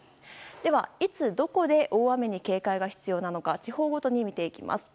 では、いつ、どこで大雨に警戒が必要なのか地方ごとに見ていきます。